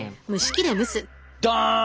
どん！